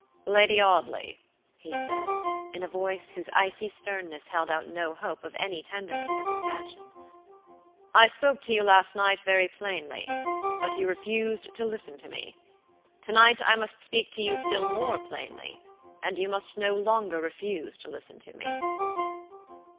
"Lady Audley," he said, in a voice whose icy sternness held out no hope of any tenderness or compassion, "I spoke to you last night very plainly, but you refused to listen to me. To night I must speak to you still more plainly, and you must no longer refuse to listen to me."